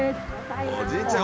「おじいちゃん